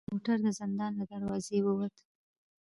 موټر د زندان له دروازې و وت.